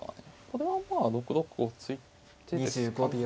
これはまあ６六を突いてですかね。